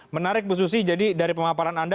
menarik bu susi jadi dari pemaparan anda